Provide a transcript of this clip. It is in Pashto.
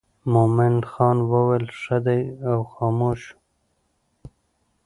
مومن خان ویل ښه دی او خاموش شو.